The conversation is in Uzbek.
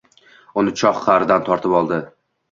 Uni choh qa’ridan tortib oldi.